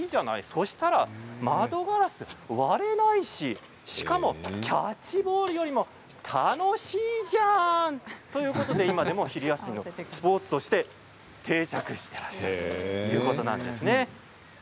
そうしたら窓ガラス割れないないししかも、キャッチボールよりも楽しいじゃん！ということで、今でも昼休みスポーツとして定着しているんですね。